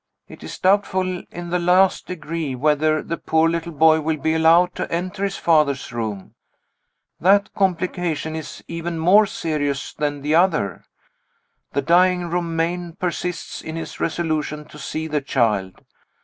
It is doubtful in the last degree whether the poor little boy will be allowed to enter his father's room. That complication is even more serious than the other. The dying Romayne persists in his resolution to see the child.